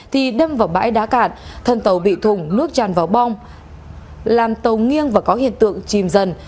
thì đâm vào bãi đá cạn thân tàu bị thùng nước tràn vào bong làm tàu nghiêng và có hiện tượng chìm dần